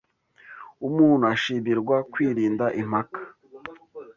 Umuntu ashimirwa kwirinda impaka